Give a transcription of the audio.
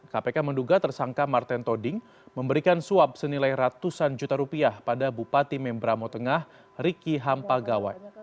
kpk menduga tersangka martin toding memberikan suap senilai ratusan juta rupiah pada bupati membramo tengah riki hampa gawai